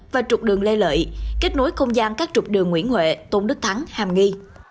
và trục đường lê lợi kết nối không gian các trục đường nguyễn huệ tôn đức thắng hàm nghi